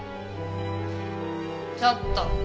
ちょっと。